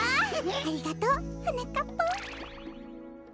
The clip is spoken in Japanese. ありがとうはなかっぱん。